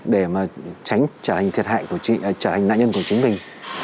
để mà tránh trở thành thiệt hại trở thành nạn nhân của chính mình